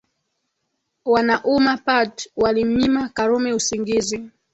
Wana Umma Party walimnyima Karume usingizi